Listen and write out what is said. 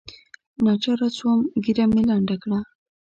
ناچاره سوم ږيره مې لنډه کړه.